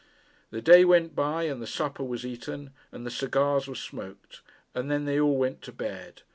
The day went by, and the supper was eaten, and the cigars were smoked, and then they all went to bed.